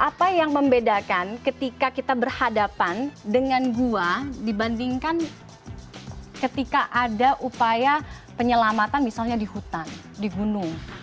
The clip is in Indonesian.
apa yang membedakan ketika kita berhadapan dengan gua dibandingkan ketika ada upaya penyelamatan misalnya di hutan di gunung